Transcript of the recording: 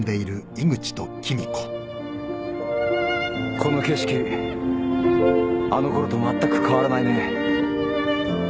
この景色あの頃とまったく変わらないね。